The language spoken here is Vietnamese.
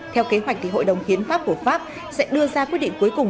theo kế hoạch hội đồng hiến pháp của pháp sẽ đưa ra quyết định cuối cùng